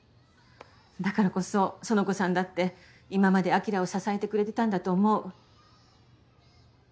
だからこそ苑子さんだって今まで晶を支えてくれてたんだと思う。